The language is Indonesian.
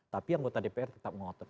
tapi anggota dpr tetap ngotot